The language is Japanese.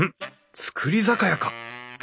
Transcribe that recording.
造り酒屋か！